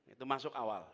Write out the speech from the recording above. itu masuk awal